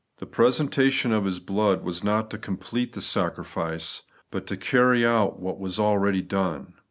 The presentation of His blood was not to complete the sacrifice, but to carry out what was already done.